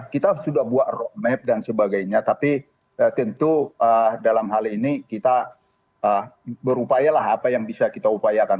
kita sudah buat roadmap dan sebagainya tapi tentu dalam hal ini kita berupayalah apa yang bisa kita upayakan